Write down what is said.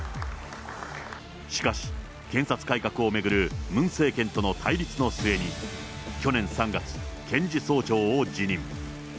しかし、検察改革を巡るムン政権との対立の末に、去年３月、検事総長を辞任。